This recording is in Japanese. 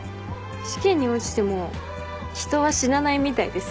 試験に落ちても人は死なないみたいですよ。